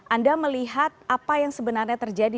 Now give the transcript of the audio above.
anda melihat apa yang sebenarnya terjadi